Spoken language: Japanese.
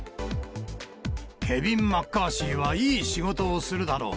ケビン・マッカーシーはいい仕事をするだろう。